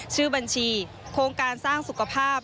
ชื่อบัญชีโครงการสร้างสุขภาพ